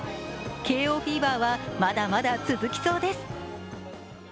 慶応フィーバーはまだまだ続きそうです。